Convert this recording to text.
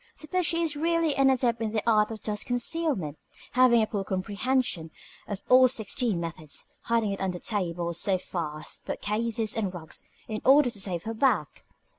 Suppose she is really an adept in the art of dust concealment, having a full comprehension of all sixty methods hiding it under tables, sofas, bookcases, and rugs, in order to save her back?